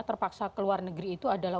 terpaksa keluar negeri itu adalah